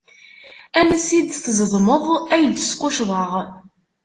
Ansi d tzedmeḍ, ay d-squccḍeɣ.